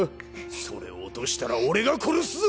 それを落としたら俺が殺すぞ！